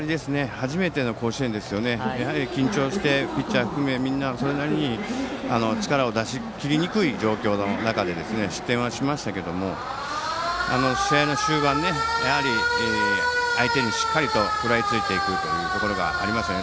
初めての甲子園で緊張してピッチャー含めみんな、力を出し切りにくい状況の中で失点はしましたけど試合の終盤相手にしっかりと食らいついていくところがありましたね。